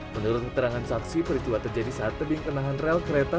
menurut keterangan saksi peristiwa terjadi saat tebing penahan rel kereta